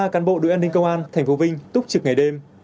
một mươi ba cán bộ đội an ninh công an thành phố vinh túc trực ngày đêm